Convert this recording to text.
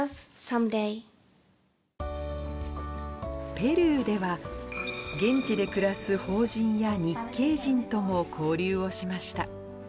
ペルーでは、現地で暮らす邦人や日系人とも交流をしました。